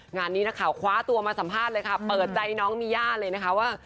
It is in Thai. งานนี้นักข่าวคว้าตัวมาสัมภาษณ์เลยค่ะเปิดใจน้องมีย่าเลยนะคะว่า